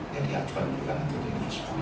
jadi acuan untuk anak anak itu